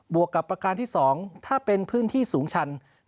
วกกับประการที่๒ถ้าเป็นพื้นที่สูงชัน